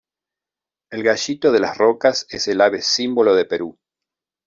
El gallito de las rocas es el ave símbolo de Perú.